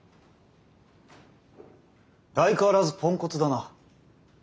相変わらずポンコツだな。